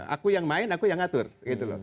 aku yang main aku yang ngatur gitu loh